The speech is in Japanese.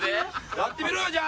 やってみろよじゃあ！